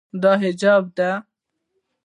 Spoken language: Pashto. دا حجاب ده.